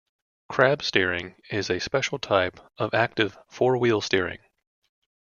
Crab steering is a special type of active four-wheel steering.